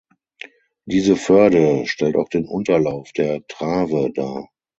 Diese Förde stellt auch den Unterlauf der Trave dar.